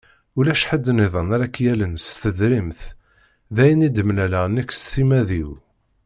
Ulac ḥedd-nniḍen ara ak-yallen s tedrimt, d ayen i d-mmlaleɣ nekk s timmad-iw.